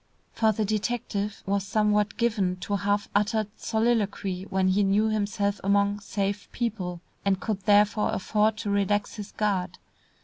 For the detective was somewhat given to half uttered soliloquy when he knew himself among "safe" people, and could therefore afford to relax his guard.